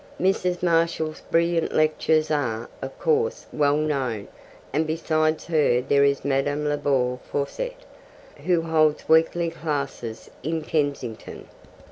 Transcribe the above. Mrs. Marshall's brilliant lectures are, of course, well known, and besides her there is Madame Lebour Fawssett, who holds weekly classes in Kensington.